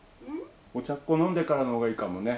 お茶っこ飲んでからの方がいいかもね。